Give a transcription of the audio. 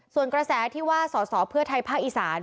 ส่วนกระแสที่ว่าสอสอเพื่อไทยภาคอีสาน